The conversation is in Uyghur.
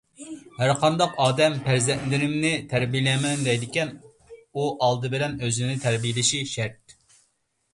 ھەرقانداق ئادەم پەرزەنتلىرىمنى تەربىيەلەيمەن دەيدىكەن، ئۇ ئالدى بىلەن ئۆزىنى تەربىيەلىشى شەرت.